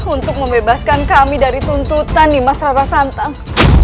untuk membebaskan kami dari tuntutan ini masyarakat santang